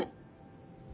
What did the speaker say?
えっ？